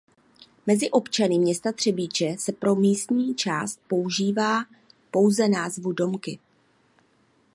Mezi občany města Třebíče se pro místní část používá pouze názvu "Domky".